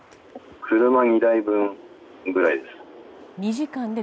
車２台分ぐらいです。